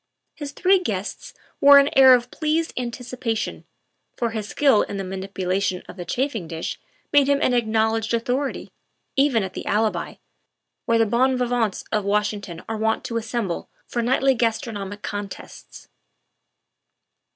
His three guests wore an 11 12 THE WIFE OF air of pleased anticipation, for his skill in the manipula tion of the chafing dish made him an acknowledged authority, even at the Alibi, where the bon vivants of Washington are wont to assemble for nightly gastro nomic contests.